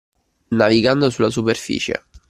Navigando sulla superficie.